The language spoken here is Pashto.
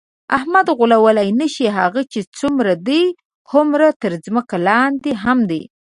احمد غولولی نشې، هغه چې څومره دی هومره تر ځمکه لاندې هم دی.